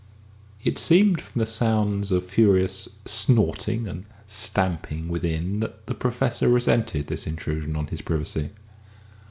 It seemed from the sounds of furious snorting and stamping within, that the Professor resented this intrusion on his privacy.